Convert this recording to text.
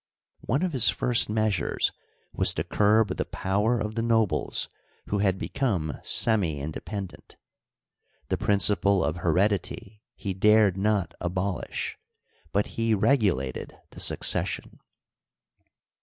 One of his first measures was to curb the power of the nobles who had become semi independent. The principle of heredity he dared not abolish, but he regulated the succession.